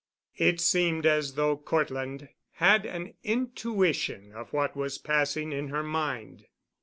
It seemed as though Cortland had an intuition of what was passing in her mind.